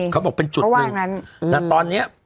เขาบอกเป็นจุดหนึ่งตอนนี้